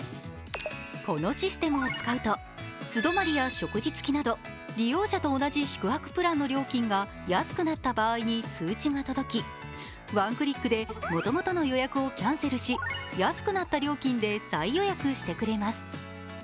このシステムを使うと素泊まりや食事つきなど利用者と同じ宿泊プランの料金が安くなった場合に通知が届き、ワンクリックでもともとの予約をキャンセルし安くなった料金で再予約してくれます。